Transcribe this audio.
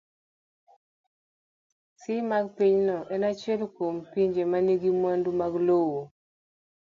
C. mar Pinyno en achiel kuom pinje ma nigi mwandu mag lowo